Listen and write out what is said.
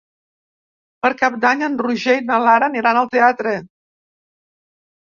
Per Cap d'Any en Roger i na Lara aniran al teatre.